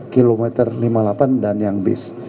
kilometer lima puluh delapan dan yang bis